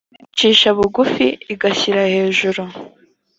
icisha bugufi igashyira hejuru